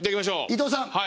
伊藤さん。